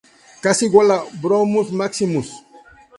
Casi igual a "Bromus maximus".